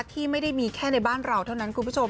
ที่ไม่ได้มีแค่ในบ้านเราเท่านั้นคุณผู้ชม